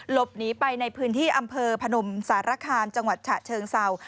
หลบหนีไปในพื้นที่อำเภอพนมสารคามจังหวัดฉะเชิงเศร้า